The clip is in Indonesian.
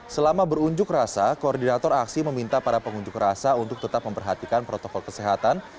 selama berunjuk rasa koordinator aksi meminta para pengunjuk rasa untuk tetap memperhatikan protokol kesehatan